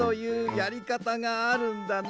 やりかたがあるんだな。